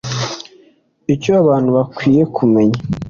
Icyo abantu bakwiye kumenya